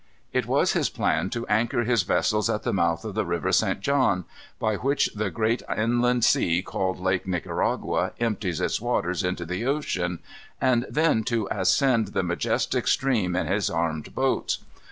It was his plan to anchor his vessels at the mouth of the river St. John, by which the great inland sea called Lake Nicaragua empties its waters into the ocean, and then to ascend the majestic stream in his armed boats.